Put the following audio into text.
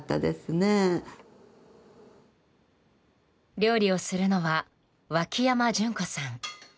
料理をするのは脇山順子さん。